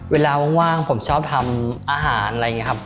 เวลาว่างผมชอบทำอาหารอะไรอย่างนี้ครับ